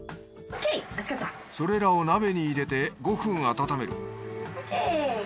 それらを鍋に入れて５分温める。